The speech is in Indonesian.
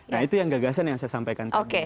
nah itu yang gagasan yang saya sampaikan tadi